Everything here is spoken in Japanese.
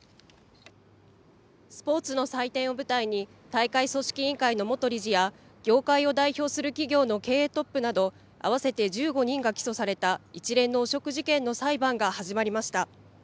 スポーツの祭典を舞台に大会組織委員会の元理事や業界を代表する企業の経営トップなど合わせて１５人が起訴された一連の汚職事件の裁判が始まりました。